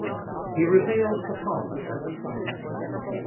He reveals the father and the son.